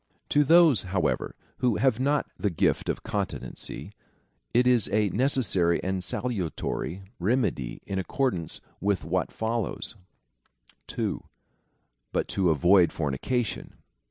To those, however, Avho have not the gift of continency, it is a necessary and salutary remedy in accordance Avith what follows. 2. But to avoid fornication.